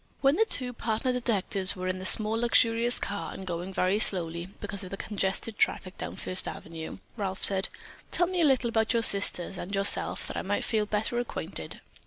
When the two partner detectives were in the small, luxurious car, and going very slowly, because of the congested traffic down First Avenue, Ralph said: "Tell me a little about your sisters and yourself that I may feel better acquainted."